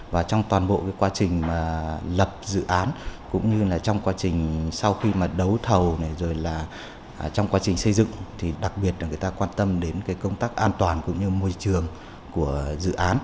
và trong toàn bộ quá trình lập dự án cũng như trong quá trình sau khi đấu thầu trong quá trình xây dựng đặc biệt là người ta quan tâm đến công tác an toàn cũng như môi trường của dự án